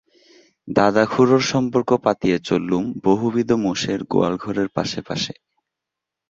দাদা-খুড়োর সম্পর্ক পাতিয়ে চললুম বহুবিধ মোষের গোয়ালঘরের পাশে পাশে।